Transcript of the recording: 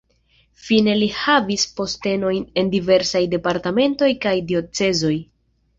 Fine li havis postenojn en diversaj departementoj kaj diocezoj.